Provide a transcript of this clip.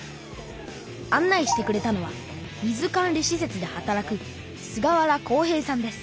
案内してくれたのは水管理しせつで働く菅原幸平さんです。